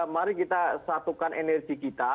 mari kita satukan energi kita